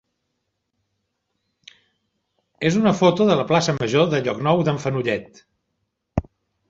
és una foto de la plaça major de Llocnou d'en Fenollet.